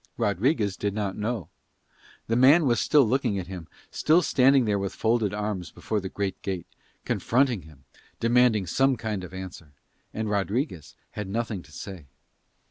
Rodriguez did not know. The man was still looking at him, still standing there with folded arms before the great gate, confronting him, demanding some kind of answer: and Rodriguez had nothing to say.